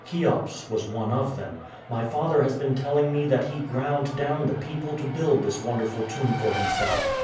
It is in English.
Cheops was one of them. My father has been telling me that he ground down the people to build this wonderful tomb for himself.